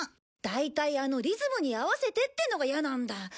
だいたいあのリズムに合わせてってのがいやなんだ。